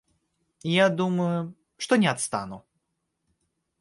Я думаю, что не отстану....